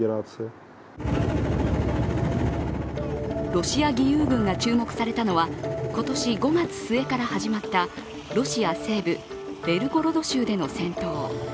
ロシア義勇軍が注目されたのは今年５月末から始まったロシア西部ベルゴロド州での戦闘。